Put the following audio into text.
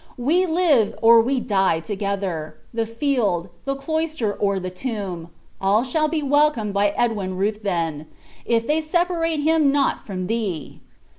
We live, or we die together: the field, the cloister, or the tomb all shall be welcomed by Edwin Ruthven, if they separate him not from thee!"